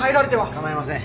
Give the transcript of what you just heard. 構いません。